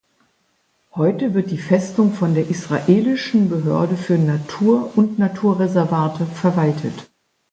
Heute wird die Festung von der israelischen Behörde für Natur und Naturreservate verwaltet.